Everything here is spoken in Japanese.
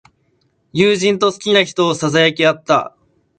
友人と好きな人をささやき合った。